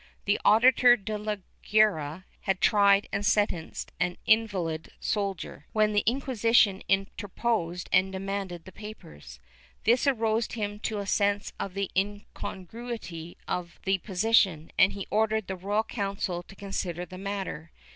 The Auditor de la Guerra had tried and sentenced an invalid soldier, when the Inquisition interposed and demanded the papers. This aroused him to a sense of the incongruity of the position, and he ordered the Royal Council to consider the matter.